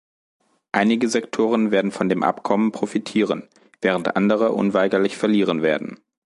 Einige Sektoren werden von dem Abkommen profitieren, während andere unweigerlich verlieren werden.